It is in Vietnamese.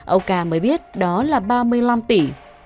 ông ca mới biết đó là ba mươi năm tỷ